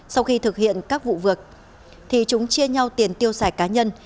sau khi thực hiện các vụ việc thì chúng chia nhau tiền tiêu xài cá nhân